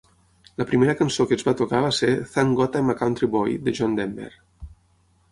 La primera cançó que es va tocar va ser "Thank God I'm a Country Boy" de John Denver.